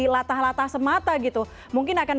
latah latah semata gitu mungkin akan